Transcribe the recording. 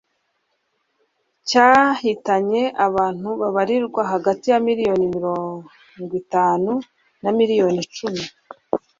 Cyahitanye abantu babarirwa hagati ya miliyoni mirongwitanu na miliyoni icumi